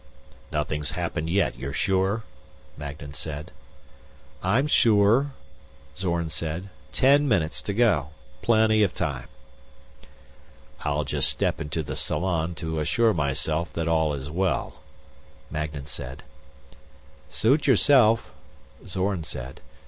"Nothing's happened yet, you're sure?" Magnan said. "I'm sure," Zorn said. "Ten minutes to go. Plenty of time." "I'll just step into the salon to assure myself that all is well," Magnan said. "Suit yourself," Zorn said.